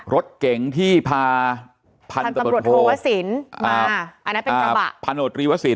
รถเก่งที่พาพันตรวจโทวศิลป์มาอันนั้นเป็นกระบะ